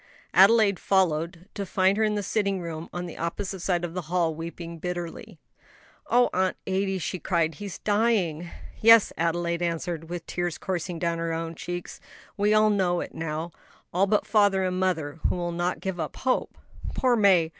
Adelaide followed, to find her in the sitting room on the opposite side of the hall, weeping bitterly. "Oh, Aunt Adie," she sobbed; "he's dying!" "Yes," Adelaide answered, with the tears coursing down her own cheeks, "we all know it now; all but father and mother, who will not give up hope. Poor May!